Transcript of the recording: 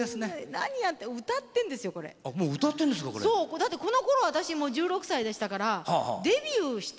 だってこのころ私もう１６歳でしたからデビューしてました。